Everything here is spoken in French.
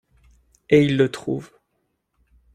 Et il le trouve.